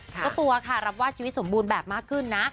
เจ้าตัวค่ะรับว่าชีวิตสมบูรณ์แบบมากขึ้นนะ